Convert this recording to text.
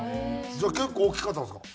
じゃあ結構大きかったんですか。